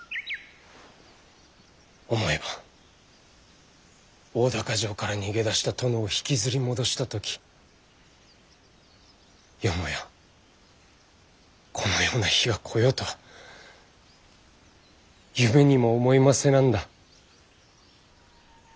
思えば大高城から逃げ出した殿を引きずり戻した時よもやこのような日が来ようとは夢にも思いませなんだ。